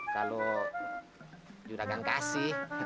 kalau juragan kasih